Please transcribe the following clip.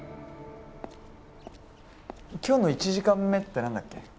今日の１時間目って何だっけ？